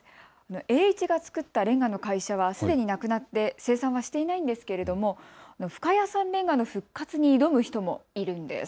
栄一が作ったレンガの会社はすでになくなって生産はしていないんですけれども深谷産レンガの復活に挑む人もいるんです。